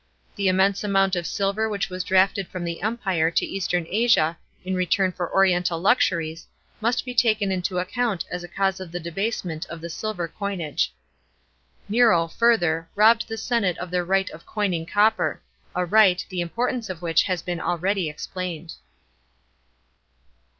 The immense amount *>f silver which was drafted from the Empire to Eastern Asia in return for oriental luxuries, must be taken into account as a cause of the debasement of the silver coinage. Nero, further, robbed the senate of their right of coining copper — a right, the importance of which has been already explained.